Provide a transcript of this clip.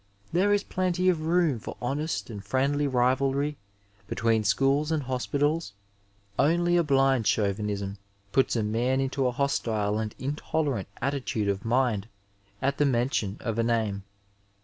There is plenty of room for honest and friendly rivalry between schools and hospitab, only a blind Chauvinism puts a man into a hostile and intolerant attitude of mind at the mention of a name.